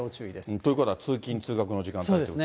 ということは通勤・通学の時間帯ということですね。